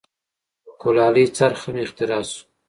د کولالۍ څرخ هم اختراع شو.